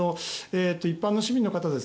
一般の市民の方